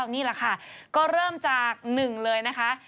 นี่แหละค่ะก็เริ่มจากหนึ่งเลยนะคะ